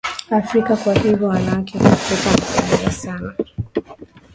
afrika kwa hivyo mwanamke wa kiafrika anapendeza sana